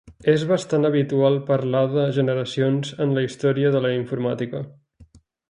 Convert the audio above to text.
És bastant habitual parlar de generacions en la història de la informàtica.